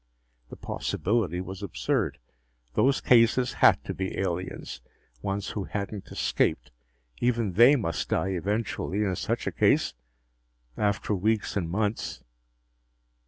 The possibility was absurd. Those cases had to be aliens ones who hadn't escaped. Even they must die eventually in such a case after weeks and months!